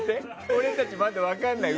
俺たち、まだ分からない。